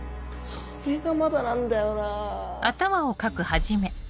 それがまだなんだよなぁ。